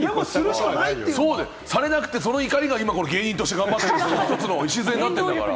されなくて、その怒りが今、芸人として頑張っているという礎になっているんだから！